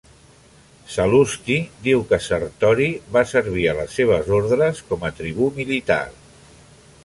Sal·lusti diu que Sertori va servir a les seves ordres com a tribú militar.